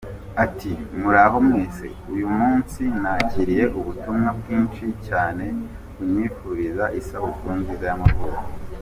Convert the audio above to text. Ati: “Muraho mwese, uyu munsi nakiriye ubutumwa bwinshi cyane bunyifuriza isabukuru nziza y’amavuko.